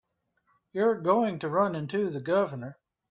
You're going to run into the Governor.